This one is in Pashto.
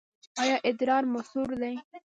ایا ادرار مو سور دی؟